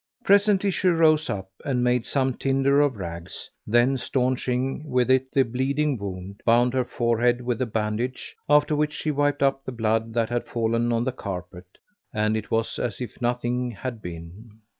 [FN#498] Presently she rose up, and made some tinder of rags, then staunching with it the bleeding wound, bound her forehead with a bandage; after which she wiped up the blood that had fallen on the carpet, and it was as if nothing had been.